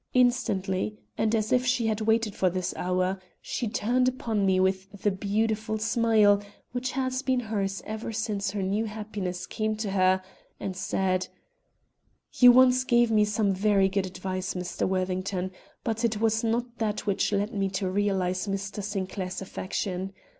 Instantly, and as if she had waited for this hour, she turned upon me with the beautiful smile which has been hers ever since her new happiness came to her, and said: "You once gave me some very good advice, Mr. Worthington, but it was not that which led me to realize Mr. Sinclair's affection.